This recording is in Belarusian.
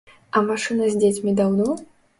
А машына з дзецьмі даўно?